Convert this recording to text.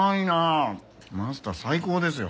マスター最高ですよ。